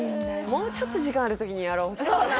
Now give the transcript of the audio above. もうちょっと時間ある時にやろうってね・